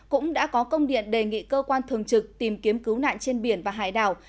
cũng đã có công điện đề nghị cơ quan thường trực tìm kiếm cứu nạn trên biển và hải đảo